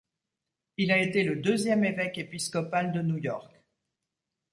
Il a été le deuxième évêque épiscopal de New York.